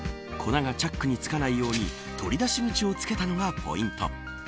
粉がチャックにつかないように取り出し口を付けたのがポイント。